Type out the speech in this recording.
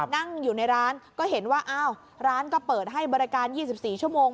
นั่งอยู่ในร้านก็เห็นว่าอ้าวร้านก็เปิดให้บริการ๒๔ชั่วโมง